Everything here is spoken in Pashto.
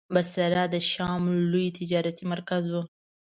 بصره د شام لوی تجارتي مرکز و.